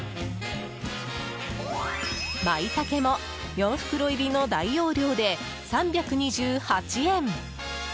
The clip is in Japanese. マイタケも４袋入りの大容量で３２８円。